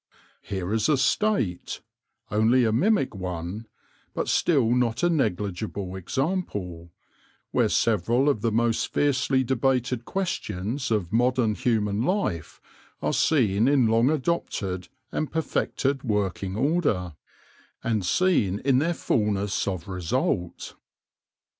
Here is a State—only a mimic one, but still not a negligible example — where several of the most fiercely debated questions of modern human life are seen in long adopted and perfected working order, and seen in their fullness THE DRONE AND HIS STORY 163 of result.